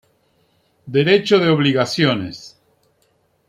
Derecho de Obligaciones.